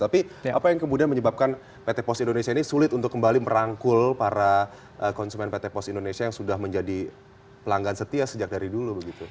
tapi apa yang kemudian menyebabkan pt pos indonesia ini sulit untuk kembali merangkul para konsumen pt pos indonesia yang sudah menjadi pelanggan setia sejak dari dulu begitu